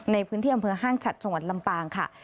ในพื้นที่อำเภอห้างฉัดจังหวัดลำปางค่ะ